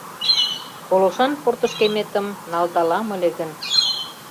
Колошан портышкеметым налдалам ыле гын